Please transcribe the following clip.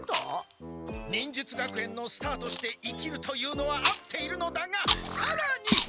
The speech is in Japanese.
忍術学園のスターとして生きるというのはあっているのだがさらに！